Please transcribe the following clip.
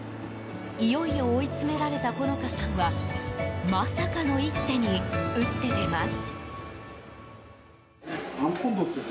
いよいよ追い詰められた穂乃花さんはまさかの一手に打って出ます。